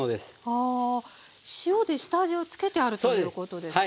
ああ塩で下味をつけてあるということですね。